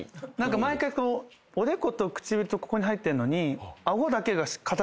毎回おでこと唇とここに入ってんのに。